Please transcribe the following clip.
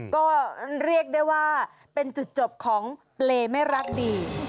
ก็เรียกได้ว่าเป็นจุดจบของเปรย์ไม่รักดี